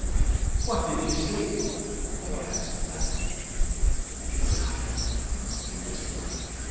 "What did you see?" I asked, laughing. "Be silent!" he whispered.